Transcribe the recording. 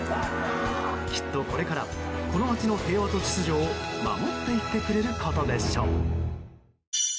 きっとこれからこの街の平和と秩序を守っていってくれることでしょう。